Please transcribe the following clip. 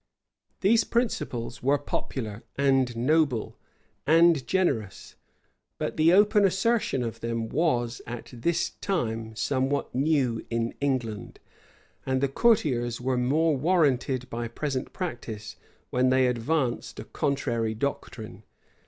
These principles were popular, and noble, and generous; but the open assertion of them was, at this time, somewhat new in England; and the courtiers were more warranted by present practice, when they advanced a contrary doctrine.